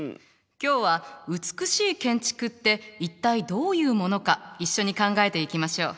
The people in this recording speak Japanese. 今日は美しい建築って一体どういうものか一緒に考えていきましょう。